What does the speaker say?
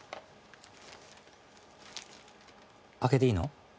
開けていいの？